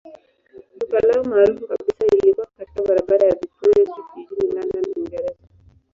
Duka lao maarufu kabisa lilikuwa katika barabara ya Victoria Street jijini London, Uingereza.